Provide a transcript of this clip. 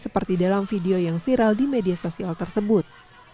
seperti dalam video yang viral di media sosial tersebut